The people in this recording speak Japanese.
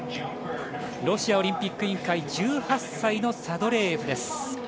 ロシアオリンピック委員会１８歳のサドレーエフです。